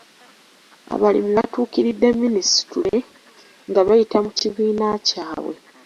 Abalimi batuukiridde minisitule nga bayita mu kibiina kyabwe.